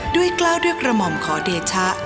กล้าวด้วยกระหม่อมขอเดชะ